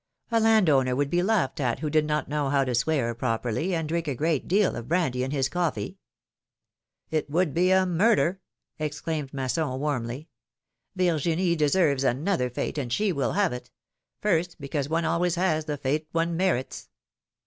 A land owner would be laughed at, who did not know how to swear properly, and drink a great deal of brandy in his coffee ! ^^It would be a murder exclaimed Masson, warmly; ^'Virginie deserves another fate, and she will have it: first, because one always has the fate one merits.